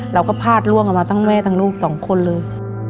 เราก็พลาดล่วงออกมาทั้งแม่ทั้งลูกสองคนเลย